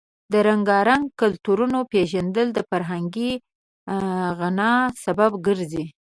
د رنګارنګ کلتورونو پیژندل د فرهنګي غنا سبب ګرځي.